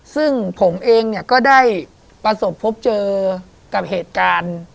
ซึ่งผมเองเนี่ยก็ได้ประสบพบเจอกับเหตุการณ์